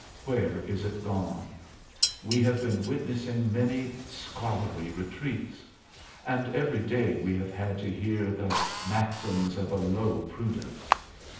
Where is it gone? We have been witnessing many "scholarly retreats," and every day we have had to hear the "maxims of a low prudence."